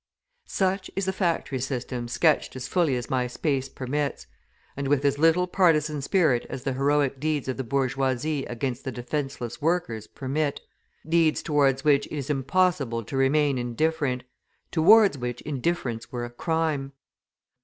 Such is the factory system sketched as fully as my space permits, and with as little partisan spirit as the heroic deeds of the bourgeoisie against the defenceless workers permit deeds to wards which it is impossible to remain indifferent, towards which indifference were a crime.